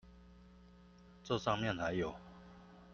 這上面還有